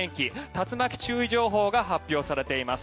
竜巻注意情報が発表されています。